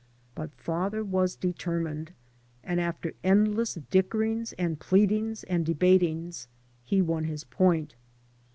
But father was determined, and after endless dickerings and pleadings and debat ings he won his point.